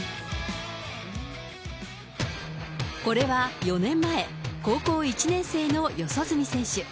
これは４年前、高校１年生の四十住選手。